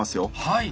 はい。